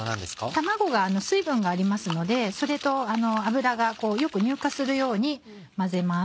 卵が水分がありますのでそれと油がこうよく乳化するように混ぜます。